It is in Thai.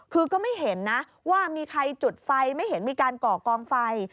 คือก็ไม่เห็นนะว่ามีใครจุดไฟไม่เห็นมีการก่อกองไฟ